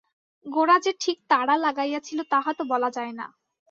গোরা যে ঠিক তাড়া লাগাইয়াছিল তাহা তো বলা যায় না।